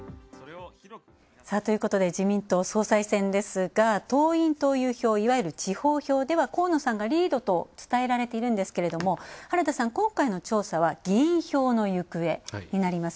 自民党の総裁選ですが党員といわゆる地方票では河野さんがリードと伝えられているんですけれども原田さん、今回の調査は議員票の行方になります。